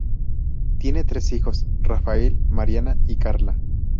Tiene tres hijos: Rafael, Mariana y Carla.